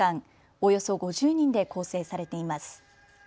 およそ５０人で構成されています。